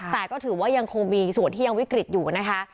แต่ก็ถือว่ายังคงมีส่วนที่ยังวิกฤตอยู่นะคะ